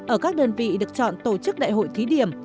ở các đơn vị được chọn tổ chức đại hội thí điểm